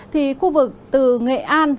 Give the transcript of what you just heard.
thì khu vực từ nghệ an